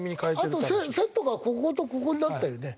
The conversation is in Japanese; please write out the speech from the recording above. あとセットがこことここになったよね。